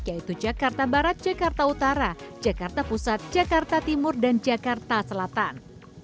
yaitu jakarta barat jakarta utara jakarta pusat jakarta timur dan jakarta selatan